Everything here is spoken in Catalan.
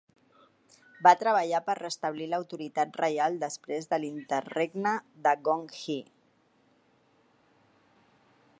Va treballar per restablir l'autoritat reial després de l'interregne de Gong He.